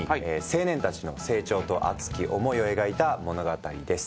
青年たちの成長と熱き思いを描いた物語です。